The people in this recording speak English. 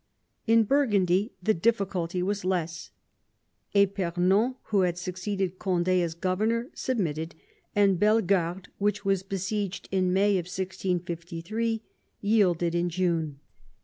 In Burgundy the difficulty was less, fipernon, who had succeeded Cond^ as governor, submitted, and Belle garde, which was besieged in May 1653, yielded in June.